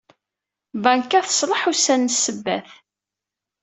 Banka tṣelleḥ ussan n Sebbat.